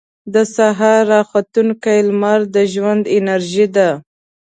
• د سهار راختونکې لمر د ژوند انرژي ده.